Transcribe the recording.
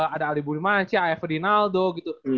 ada ali bumimachi ayah ferdinaldo gitu